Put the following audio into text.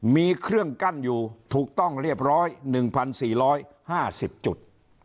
มีเครื่องกั้นอยู่ถูกต้องเรียบร้อย๑๔๕๐จุด